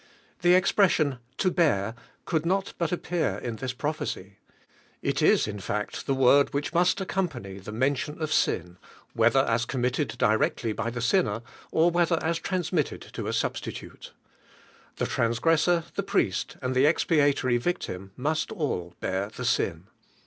The expression, to bear, couhl not lint appear in this prophecy. II is, in fad, the word which must accompany the mention of sin, whether as committed directly by the sinner, or whether as transmitted to a substitute. The trans gressor, I he priest and the expiatory ii lim most all hear the sin.